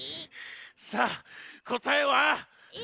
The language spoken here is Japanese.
さあこたえは？えっ？